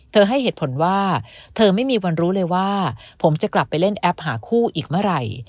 ให้เหตุผลว่าเธอไม่มีวันรู้เลยว่าผมจะกลับไปเล่นแอปหาคู่อีกเมื่อไหร่